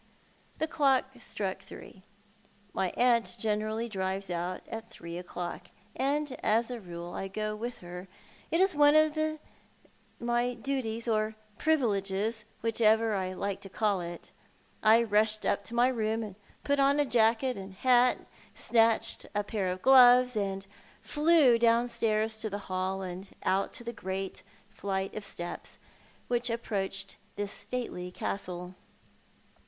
The clock struck three. My aunt generally drives out at three o'clock, and as a rule I go with her. It is one of my duties, or privileges, whichever I like to call it. I rushed up to my room, jiut on jacket and hat, snatched a pair of gloves, and flew downstairs to the hall and out to the great flight of steps which approaches this stately castle.